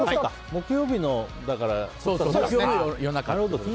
木曜日の夜中。